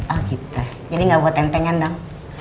oh gitu jadi gak buat entengan dong